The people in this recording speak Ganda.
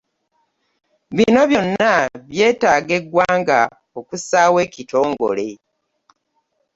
Bino byonna byetaaga eggwanga okussaawo ekitongole.